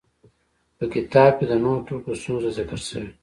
په کتاب کې د نهو ټکو ستونزه ذکر شوې.